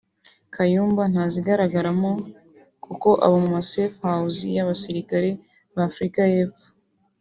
Kayumba ntazigaragaramo kuko aba mu ma Safehouse y’abasilikare b’Afrika y’Epfo